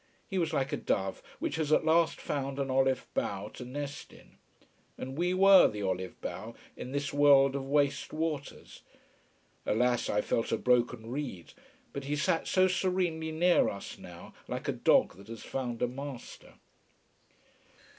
He was like a dove which has at last found an olive bough to nest in. And we were the olive bough in this world of waste waters. Alas, I felt a broken reed. But he sat so serenely near us, now, like a dog that has found a master.